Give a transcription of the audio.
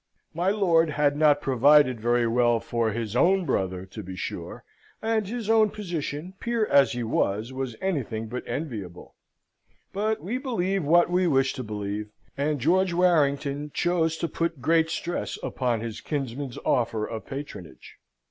My lord had not provided very well for his own brother to be sure, and his own position, peer as he was, was anything but enviable; but we believe what we wish to believe, and George Warrington chose to put great stress upon his kinsman's offer of patronage.